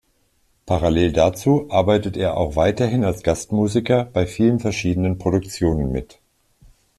Parallel dazu arbeitet er auch weiterhin als Gastmusiker bei vielen verschiedenen Produktionen mit.